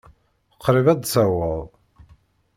Qṛib ad taweḍ.